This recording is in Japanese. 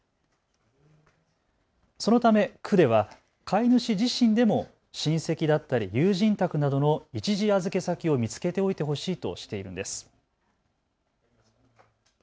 そのため区では飼い主自身でも親戚だったり友人宅などの一時預け先を見つけておいてほしいとしているんです。